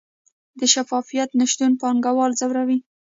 د شفافیت نشتون پانګوال ځوروي؟